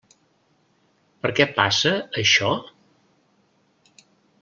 Per què passa, això?